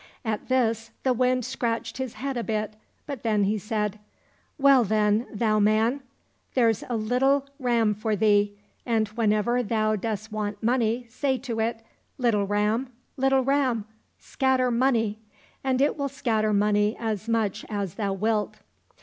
At this the Wind scratched his head a bit, but then he said, " Well then, thou man ! there's a little ram for thee, and whenever thou dost want money say to it, * Little ram, little ram, scatter money !' and it will scatter money as much as thou wilt.